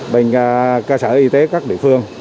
bên cơ sở y tế các địa phương